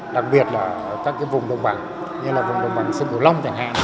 đặc biệt là các cái vùng đồng bằng như là vùng đồng bằng sông cửu long chẳng hạn